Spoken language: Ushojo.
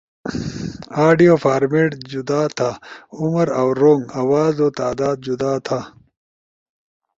آڈیو فارمیٹ، جدا تھا(عمر او رونگ)، آوازو تعداد جدا تھا